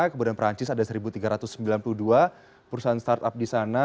kemudian perancis ada satu tiga ratus sembilan puluh dua perusahaan startup di sana